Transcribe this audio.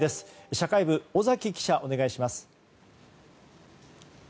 社会部の尾崎記者お願いします。